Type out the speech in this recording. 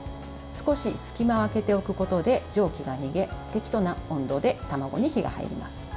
少し隙間を空けておくことで蒸気が逃げ適度な温度で卵に火が入ります。